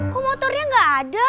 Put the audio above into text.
kok motornya gak ada